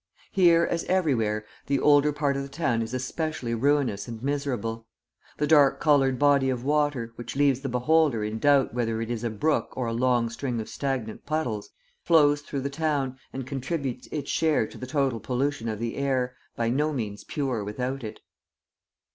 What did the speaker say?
Here, as everywhere, the older part of the town is especially ruinous and miserable. A dark coloured body of water, which leaves the beholder in doubt whether it is a brook or a long string of stagnant puddles, flows through the town and contributes its share to the total pollution of the air, by no means pure without it.